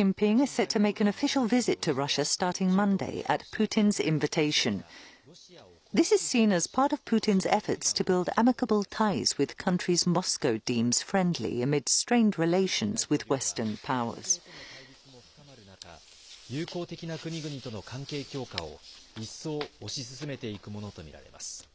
プーチン大統領は、欧米との対立も深まる中、友好的な国々との関係強化を一層推し進めていくものと見られます。